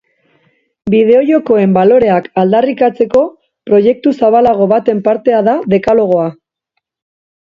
Bideojokoen baloreak aldarrikatzeko proiektu zabalago baten partea da dekalogoa.